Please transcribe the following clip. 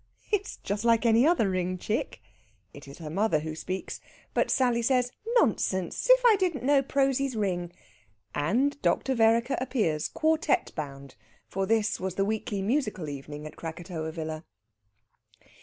"It's just like any other ring, chick." It is her mother who speaks. But Sally says: "Nonsense! as if I didn't know Prosy's ring!" And Dr. Vereker appears, quartet bound, for this was the weekly musical evening at Krakatoa Villa.